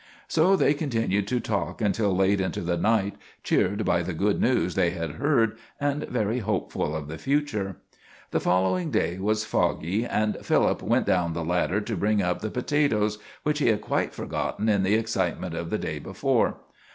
So they continued to talk until late into the night, cheered by the good news they had heard, and very hopeful of the future. The following day was foggy, and Philip went down the ladder to bring up the potatoes, which he had quite forgotten in the excitement of the day before.